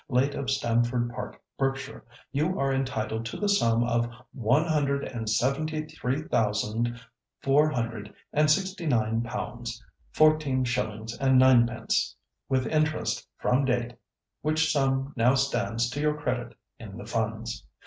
late of Stamford Park, Berkshire, you are entitled to the sum of one hundred and seventy three thousand four hundred and sixty nine pounds fourteen shillings and ninepence (£173,469 14_s._ 9_d._), with interest from date, which sum now stands to your credit in the Funds.